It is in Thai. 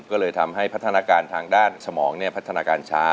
ก็เลยทำให้พัฒนาการทางด้านสมองพัฒนาการช้า